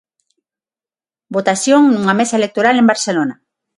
Votación nunha mesa electoral en Barcelona.